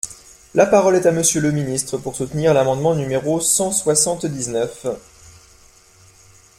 La parole est à Monsieur le ministre, pour soutenir l’amendement numéro cent soixante-dix-neuf.